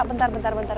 bentar bentar bentar